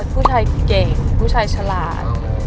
ผู้ชายเก่งผู้ชายฉลาด